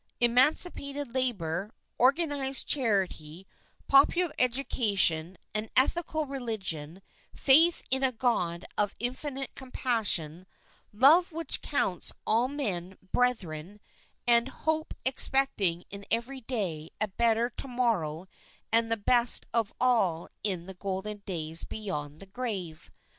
emancipated labour, organised charity, popular education, an ethical religion, faith in a God of infinite compassion, love which counts all men brethren, and hope expecting in every day a better to morrow and the best of all in the golden days beyond the grave.